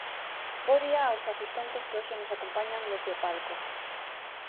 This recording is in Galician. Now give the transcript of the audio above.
Bo día aos asistentes que hoxe nos acompañan desde o palco.